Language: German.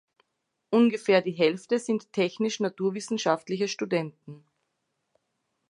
Ungefähr die Hälfte sind technisch-naturwissenschaftliche Studenten.